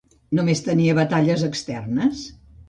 Només tenia batalles externes?